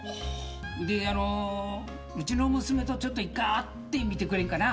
でうちの娘とちょっと１回会ってみてくれんかな？